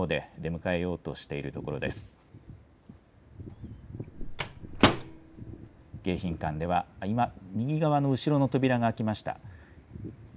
迎賓館では今、右側の後ろの扉が開きました。